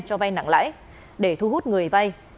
cho vay nặng lãi để thu hút người vay